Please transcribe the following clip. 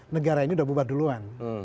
negara ini udah bubar duluan